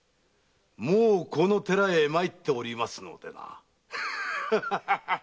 もうこの寺へ参っておりますのでな。